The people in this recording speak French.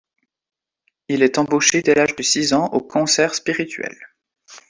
Il est embauché dès l'âge de six ans au Concert Spirituel.